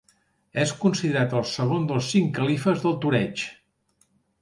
És considerat el segon dels cinc Califes del toreig.